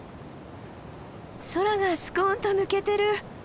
空がスコンと抜けてる。